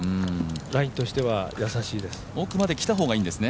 ラインとしてはいいです。